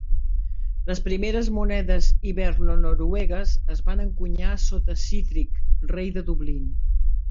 Les primeres monedes hiberno-noruegues es van encunyar sota Sihtric, rei de Dublin.